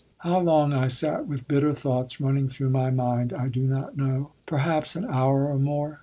How long I sat with bitter thoughts running through my mind I do not know; perhaps an hour or more.